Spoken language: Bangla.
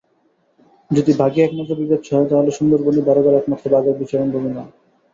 যদি বাঘই একমাত্র বিবেচ্য হয়, তাহলে সুন্দরবনই ভারতের একমাত্র বাঘের বিচরণভূমি নয়।